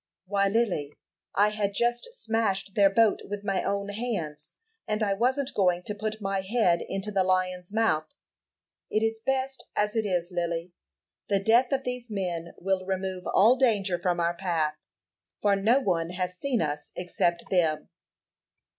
"Why, Lily, I had just smashed their boat with my own hands, and I wasn't going to put my head into the lion's mouth. It is best as it is, Lily. The death of these men will remove all danger from our path, for no one has seen us except them."